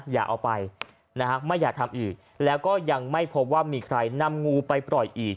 อย่าเอาไปนะฮะไม่อยากทำอีกแล้วก็ยังไม่พบว่ามีใครนำงูไปปล่อยอีก